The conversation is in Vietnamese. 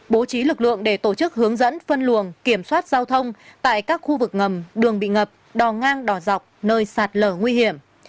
bố trí lực lượng để tổ chức hướng dẫn phân luồng kiểm soát giao thông tại các khu vực ngầm đường bị ngập đò ngang đỏ dọc nơi sạt lở nguy hiểm